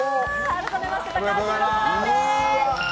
改めまして、高橋洋樹さんです。